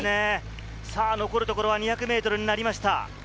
残るところは２００ｍになりました。